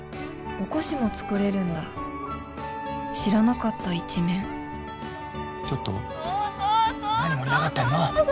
お菓子も作れるんだ知らなかった一面ちょっと何盛り上がってんの？